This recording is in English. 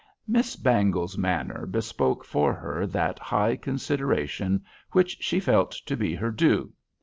Miss Bangle's manner bespoke for her that high consideration which she felt to be her due.